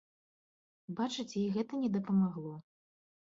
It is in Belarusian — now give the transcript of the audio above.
Бачыце, і гэта не дапамагло!